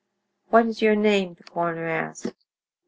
"What is your name?" the coroner asked.